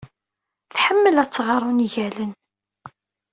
Tḥemmel ad tɣer ungalen.